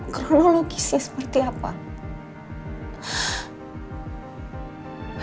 kronologisi seperti apa